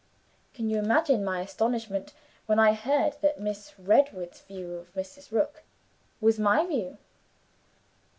Can you imagine my astonishment when I heard that Miss Redwood's view of Mrs. Rook was my view?